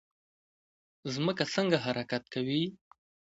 ځمکه څنګه حرکت کوي؟